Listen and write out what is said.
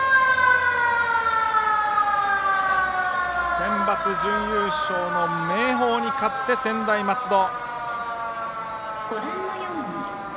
センバツ準優勝の明豊に勝って専大松戸。